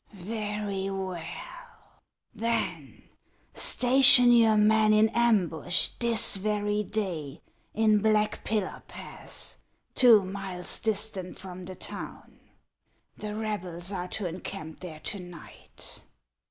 " Very well ! Then station your men in ambush this very day, in Black Pillar Pass, two miles distant from the town ; the rebels are to encamp there to night.